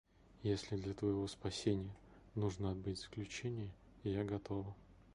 Если для твоего спасения нужно отбыть заключение, я готова.